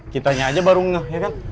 kitanya aja baru ngeh ya kan